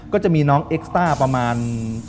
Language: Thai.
ก็จะมีน้องเอ็กซ่าประมาณ